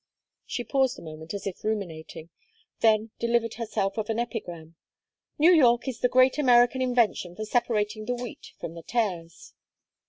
She paused a moment as if ruminating, then delivered herself of an epigram: "New York is the great American invention for separating the wheat from the tares."